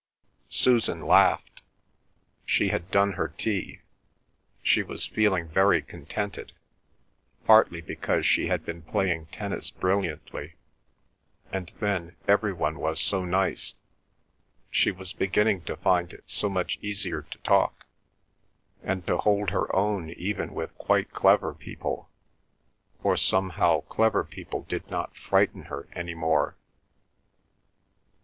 Susan laughed. She had done her tea; she was feeling very well contented, partly because she had been playing tennis brilliantly, and then every one was so nice; she was beginning to find it so much easier to talk, and to hold her own even with quite clever people, for somehow clever people did not frighten her any more.